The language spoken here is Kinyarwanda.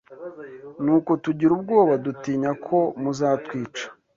Nuko tugira ubwoba dutinya ko muzatwica.’